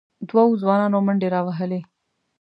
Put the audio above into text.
دوو ځوانانو منډې راوهلې،